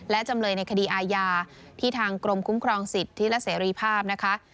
และจำเลยในคดีอาญาที่ทางกรมคุ้มครองสิทธิ์ที่รัศรีภาพ